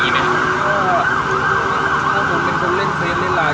มีใครเข้ามาสอบว่าหรืออะไรอย่างงี้ไหมถ้าผมเป็นคนเล่นเฟสเล่นลาย